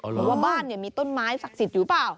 หรือว่าบ้านเนี่ยมีต้นไม้ศักดิ์สิทธิ์อยู่หรือเปล่า